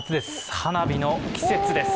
花火の季節です！